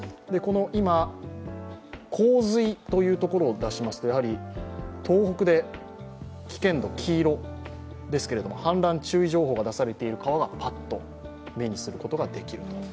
今、洪水を出しますと、東北で危険度、黄色ですけれども、氾濫注意情報が出されている川がパッと目にすることができると。